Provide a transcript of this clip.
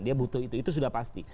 dia butuh itu itu sudah pasti